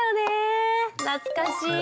懐かしい。